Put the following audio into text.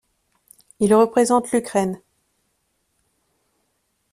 Il représente l'Ukraine.